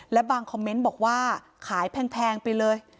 และบางคอมเมนต์บอกว่าขายแพงไปเลย